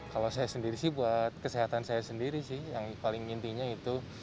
kalau saya sendiri sih buat kesehatan saya sendiri sih yang paling intinya itu